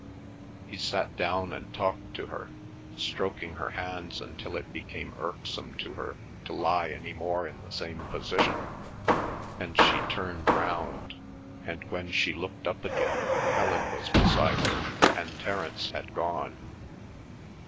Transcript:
He sat down and talked to her, stroking her hands until it became irksome to her to lie any more in the same position and she turned round, and when she looked up again Helen was beside her and Terence had gone.